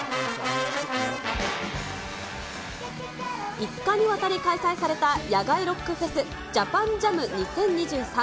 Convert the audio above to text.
５日わたり開催された野外ロックフェス、ＪＡＰＡＮＪＡＭ２０２３。